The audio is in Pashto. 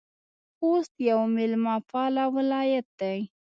خوست یو میلمه پاله ولایت ده